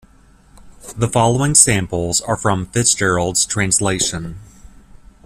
The following samples are from FitzGerald's translation.